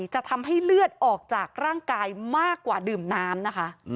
จะทำให้เลือดออกจากร่างกายมากกว่าดื่มน้ำนะคะ